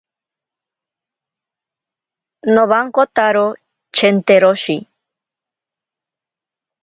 Nowankotaro chenteroshi.